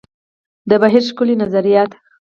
د بهیر ښکلي نظریات.